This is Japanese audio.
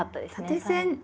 縦線